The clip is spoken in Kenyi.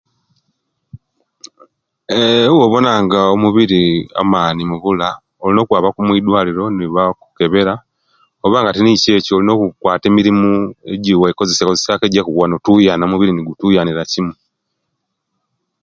Eeh obobonanga omubiri amaani mubula olina okwabaku omwidwaliro nebakukebera oba tinikyo ekyo olina okwata emirimu ejewekozesya kozesya ku ejakuwa notuuyana omubiri negutuuyanira kimo